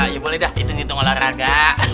ya boleh dah itu ngitung olahraga